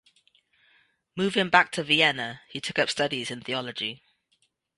Moving back to Vienna, he took up studies in theology.